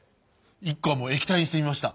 １個はもう液体にしてみました。